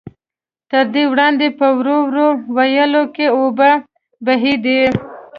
تر دې وړاندې په وړو وړو ويالو کې اوبه بهېدې.